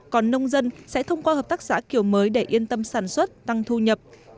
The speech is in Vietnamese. còn nông dân sẽ thông qua hợp tác xã kiểu mới để yên tâm sản xuất tăng thu nhập